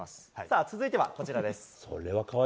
続いてはこちらです。